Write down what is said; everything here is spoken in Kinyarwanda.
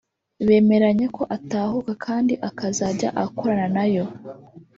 bemeranya ko atahuka kandi akazajya akorana nayo